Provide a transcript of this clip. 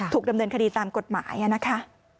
ถูกดำเนินคดีตามกฎหมายนะคะ